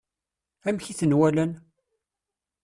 Amek i ten-walan?